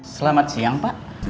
selamat siang pak